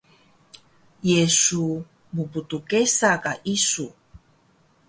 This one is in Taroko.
Ye su mptgesa ka isu?